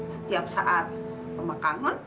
setiap saat rumah kangen